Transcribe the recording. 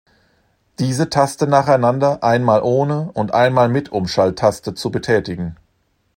Diese Taste nacheinander einmal ohne und einmal mit Umschalttaste zu betätigen.